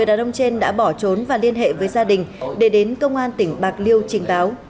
đàn ông trên đã bỏ trốn và liên hệ với gia đình để đến công an tỉnh bạc liêu trình báo